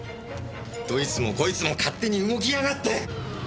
どいつもこいつも勝手に動きやがって！